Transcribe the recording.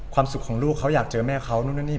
สุขของลูกเขาอยากเจอแม่เขานู่นนั่นนี่